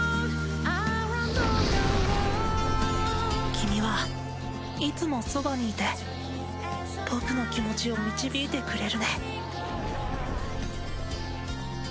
君はいつもそばにいて僕の気持ちを導いてくれるね